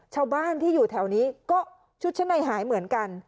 ชาวบ้านที่อยู่แถวนี้ก็ชุดชั้นในหายเหมือนกัน